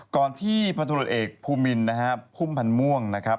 ก่อนที่พันธุรสเอกภูมินนะฮะภุ่มภันม่วงนะครับ